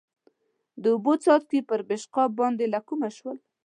د اوبو څاڅکي پر پېشقاب باندې له کومه شول؟